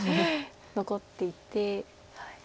残っていて。